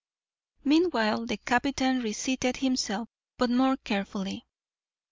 Meanwhile the captain reseated himself, but more carefully.